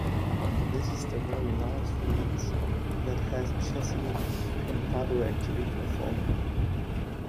This is the very last release that has Jesse Pintado actually performing.